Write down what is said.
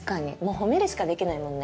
褒めるしかできないもんね。